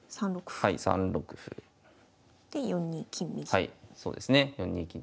はい３六歩。で４二金右。